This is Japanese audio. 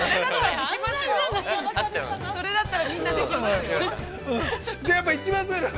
◆それだったら、みんなできますよ。